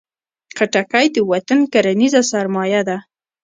خټکی د وطن کرنیزه سرمایه ده.